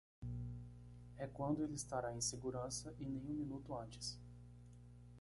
É quando ele estará em segurança e nem um minuto antes.